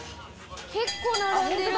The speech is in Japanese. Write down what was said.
結構並んでる。